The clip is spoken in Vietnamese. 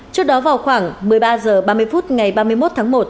trước đó vào khoảng một mươi ba h ba mươi phút ngày ba mươi một tháng một